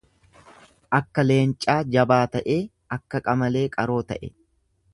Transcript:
Akka leencaa jabaa ta'ee, akka qamalee qaroo ta'e.